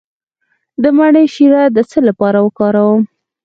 د مڼې شیره د څه لپاره وکاروم؟